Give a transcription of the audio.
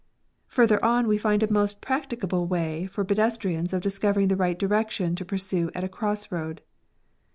Further on we find a most practicable way for pedestrians of discovering the right direction to pur sue at a cross road.